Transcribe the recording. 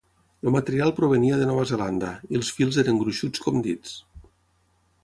El material provenia de Nova Zelanda; i els fils eren gruixuts com dits.